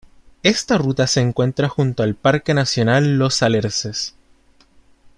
Esta ruta se encuentra junto al Parque Nacional Los Alerces.